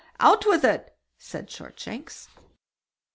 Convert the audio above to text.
out with it", said Shortshanks.